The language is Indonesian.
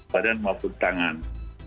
badan maupun tangan